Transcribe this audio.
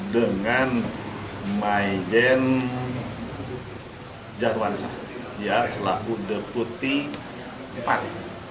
dengan maijen jarwansyah selaku deputi empat bnpb